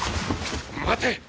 待て！